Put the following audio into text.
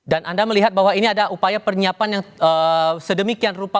dan anda melihat bahwa ini ada upaya perniapan yang sedemikian rupa